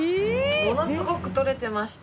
ものすごく取れてました